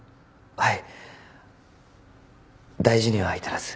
はい。